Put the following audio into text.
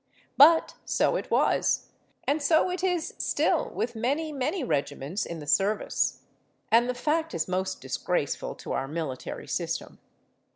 But so it was—and so it is still with many, many regiments in the service; and the fact is most disgraceful to our military system.